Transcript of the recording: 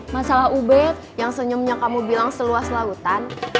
masalah ubed yang senyumnya kamu bilang seluas lautan